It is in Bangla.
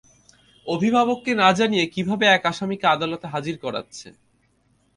অভিভাবককে না জানিয়ে কীভাবে এক আসামিকে আদালতে হাজির করাচ্ছে?